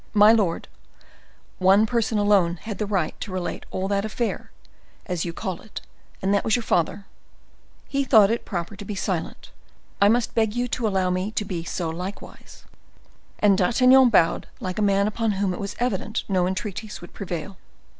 "My lord, one person alone had a right to relate all that affair, as you call it, and that was your father; he thought it proper to be silent, I must beg you to allow me to be so likewise." And D'Artagnan bowed like a man upon whom it was evident no entreaties could prevail.